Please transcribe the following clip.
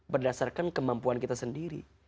berdasarkan kemampuan kita sendiri